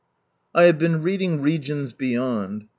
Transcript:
I have been reading Regions Beyond.